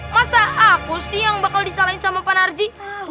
masa aku sih yang bakal disalahin sama pak narji